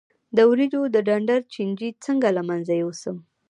د وریجو د ډنډر چینجی څنګه له منځه یوسم؟